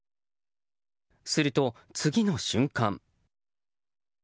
すると、次の瞬間。